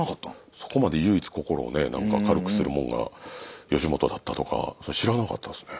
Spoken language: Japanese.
そこまで唯一心をね軽くするもんが吉本だったとかそれ知らなかったですね。